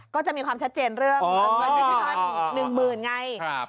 ก็จะมีความชัดเจนเรื่องเงินดิจิทัล๑๐๐๐ไง